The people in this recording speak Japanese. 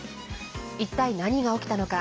一体、何が起きたのか。